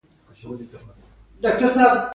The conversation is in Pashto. نړیوال قوت هم افغاني سپين ږيري د مرګي وړ وبلل.